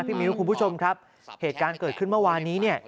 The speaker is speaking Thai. มิ้วคุณผู้ชมครับเหตุการณ์เกิดขึ้นเมื่อวานนี้เนี่ย